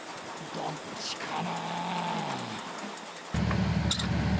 どっちかな？